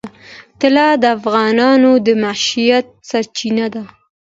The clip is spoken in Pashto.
طلا د افغانانو د معیشت سرچینه ده.